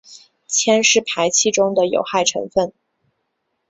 铅是排气中的有害成分。